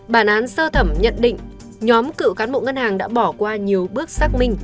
bản án sơ thẩm nhận định nhóm cựu cán bộ ngân hàng đã bỏ qua nhiều bước xác minh